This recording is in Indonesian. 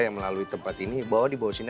yang melalui tempat ini bahwa di bawah sini